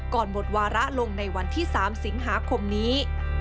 ก่อนหมดวาระลงในวันที่๓สิงหาคมนี้